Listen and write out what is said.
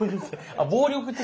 あ暴力的。